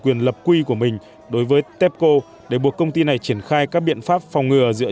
quyền lập quy của mình đối với tepco để buộc công ty này triển khai các biện pháp phòng ngừa giữa